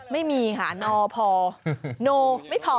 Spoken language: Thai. ไม่มีค่ะนอพอโนไม่พอ